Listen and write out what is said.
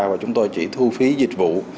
và chúng tôi chỉ thu phí dịch vụ